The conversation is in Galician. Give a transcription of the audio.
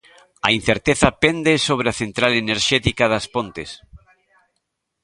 A incerteza pende sobre a central enerxética das Pontes.